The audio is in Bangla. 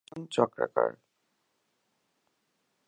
কিছু বিশ্লেষণ চক্রাকার।